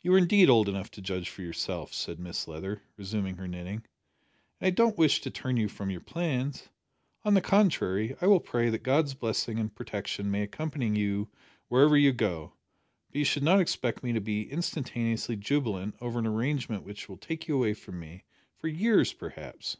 "You are indeed old enough to judge for yourself," said Mrs Leather, resuming her knitting, "and I don't wish to turn you from your plans. On the contrary, I will pray that God's blessing and protection may accompany you wherever you go, but you should not expect me to be instantaneously jubilant over an arrangement which will take you away from me, for years perhaps."